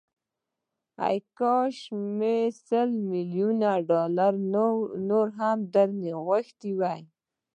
کاشکي مې سل ميليونه ډالر نور هم درنه غوښتي وای.